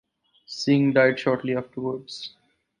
Singh died shortly afterwards.